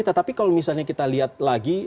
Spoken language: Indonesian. tetapi kalau misalnya kita lihat lagi